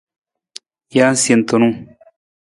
Jee sentunung.